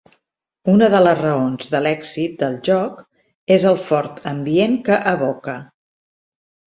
Una de les raons de l'èxit del joc és el fort ambient que evoca.